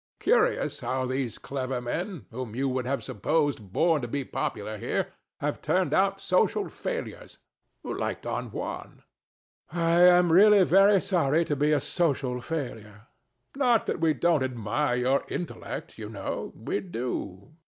Curious how these clever men, whom you would have supposed born to be popular here, have turned out social failures, like Don Juan! DON JUAN. I am really very sorry to be a social failure. THE DEVIL. Not that we don't admire your intellect, you know. We do.